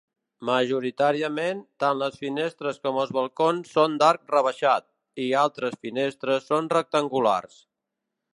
Majoritàriament, tant les finestres com els balcons són d'arc rebaixat, i altres finestres són rectangulars.